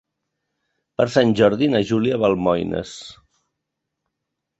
Per Sant Jordi na Júlia va a Almoines.